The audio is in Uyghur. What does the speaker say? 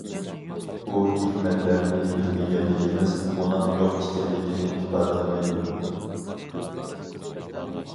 ئۇ ھېكمەتلەرنى بىلمىگەنلىكىمىز، ئۇنىڭ يوق ئىكەنلىكىنى ئىپادىلىمەيدۇ.